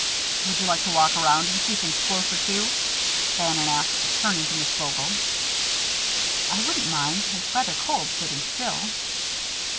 "Would you like to walk around and see things closer to?" Bannon asked, turning to Miss Vogel. "I wouldn't mind. It's rather cold, sitting still."